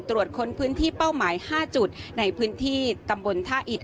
ตรวจค้นพื้นที่เป้าหมาย๕จุดในพื้นที่ตำบลท่าอิด